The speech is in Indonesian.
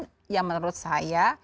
pun yang menurut saya